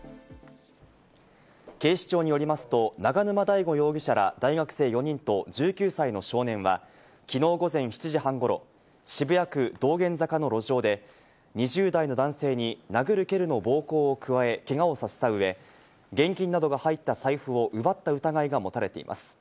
警視庁によりますと永沼大吾容疑者ら大学生４人と１９歳の少年は昨日午前７時半頃、渋谷区道玄坂の路上で、２０代の男性に殴る蹴るの暴行を加えけがをさせた上、現金などが入った財布を奪った疑いが持たれています。